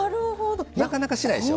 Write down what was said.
なかなかしないでしょ？